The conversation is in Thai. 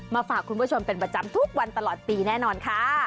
ฝากคุณผู้ชมเป็นประจำทุกวันตลอดปีแน่นอนค่ะ